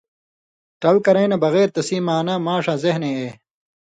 ٹل کرَیں نہ بغېر تسیں معنا ماݜاں ذہنے اے